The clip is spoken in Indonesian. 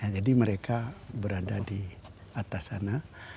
jadi mereka berada di atas sana